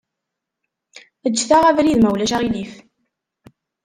Ǧǧet-aɣ abrid, ma ulac aɣilif.